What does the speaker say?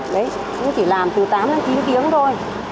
đấy cũng chỉ làm từ tám đến chín tiếng thôi